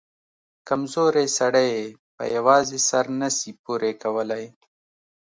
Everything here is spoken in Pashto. کمزورى سړى يې په يوازې سر نه سي پورې کولاى.